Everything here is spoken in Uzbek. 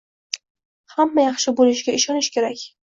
Hammasi yaxshi boʻlishiga ishonish kerak.